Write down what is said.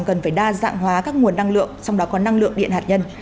cần phải đa dạng hóa các nguồn năng lượng trong đó có năng lượng điện hạt nhân